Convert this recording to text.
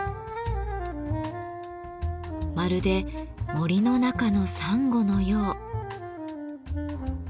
まるで森の中のサンゴのよう。